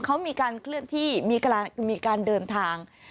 เขามีการเคลื่อนที่มีการเดินทาง